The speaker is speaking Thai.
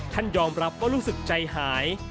ยอมรับว่ารู้สึกใจหาย